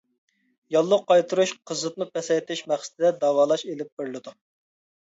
ياللۇغ قايتۇرۇش، قىزىتما پەسەيتىش مەقسىتىدە داۋالاش ئېلىپ بېرىلىدۇ.